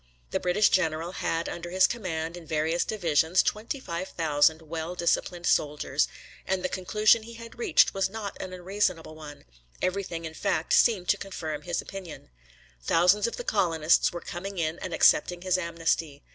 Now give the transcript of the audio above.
The British general had under his command in his various divisions twenty five thousand well disciplined soldiers, and the conclusion he had reached was not an unreasonable one; everything, in fact, seemed to confirm his opinion. Thousands of the colonists were coming in and accepting his amnesty.